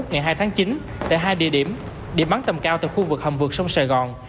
ngày hai tháng chín tại hai địa điểm địa bắn tầm cao từ khu vực hầm vượt sông sài gòn